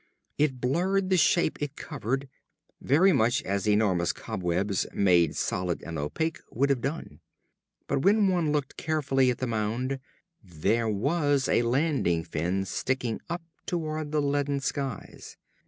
It blurred the shape it covered, very much as enormous cobwebs made solid and opaque would have done. But when one looked carefully at the mound, there was a landing fin sticking up toward the leaden skies.